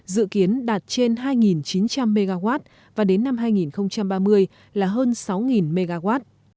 dự kiến đạt trên hai chín trăm linh mw và đến năm hai nghìn ba mươi là hơn sáu mw